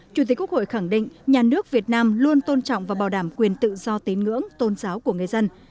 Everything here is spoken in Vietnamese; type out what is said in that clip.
chủ tịch quốc hội khẳng định nhà nước việt nam luôn tôn trọng và bảo đảm quyền tự do tín ngưỡng tôn giáo của người dân